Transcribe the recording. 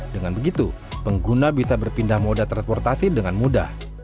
dengan begitu pengguna bisa berpindah moda transportasi dengan mudah